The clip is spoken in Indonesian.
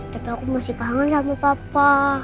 tapi aku masih kangen sama papa